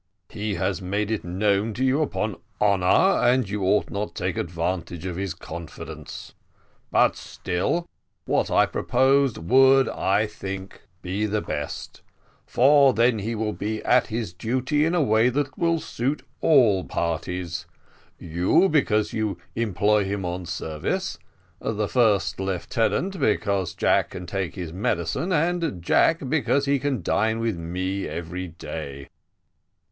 "He has made it known to you upon honour, and you ought not to take advantage of his confidence: but still what I proposed would, I think, be the best, for then he will be at his duty in a way that will suit all parties. You, because you employ him on service the first lieutenant, because Jack can take his medicine and Jack, because he can dine with me every day."